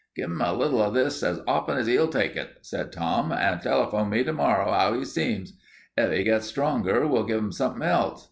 "Give 'im a little of this as often as 'e'll take it," said Tom, "and telephone me to morrow 'ow 'e seems. If 'e gets stronger, we'll give 'im something else.